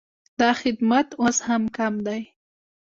دا خدمت اوس هم کم دی